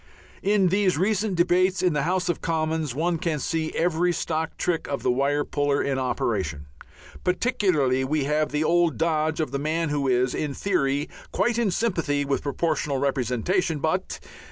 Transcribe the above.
In these recent debates in the House of Commons one can see every stock trick of the wire puller in operation. Particularly we have the old dodge of the man who is "in theory quite in sympathy with Proportional Representation, but